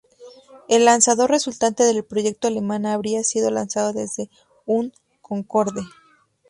El lanzador resultante del proyecto alemán habría sido lanzado desde un Concorde.